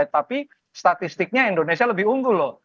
tapi statistiknya indonesia lebih unggul loh